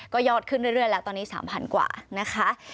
ก็ยอดขึ้นเรื่อยแล้วตอนนี้๓๐๐กว่านะคะ